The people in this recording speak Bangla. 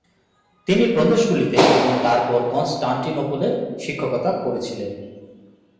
তিনি প্রদেশগুলিতে এবং তারপর কনস্টান্টিনোপলে শিক্ষকতা করেছিলেন।